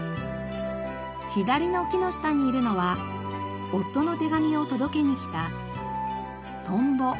左の木の下にいるのは夫の手紙を届けに来た蜻蛉。